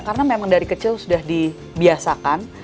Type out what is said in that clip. karena memang dari kecil sudah dibiasakan